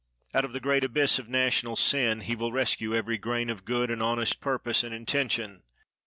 Out of the great abyss of national sin he will rescue every grain of good and honest purpose and intention.